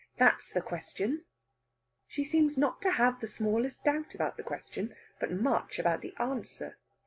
That's the question!" She seems not to have the smallest doubt about the question, but much about the answer.